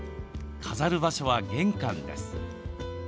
飾る場所は玄関です。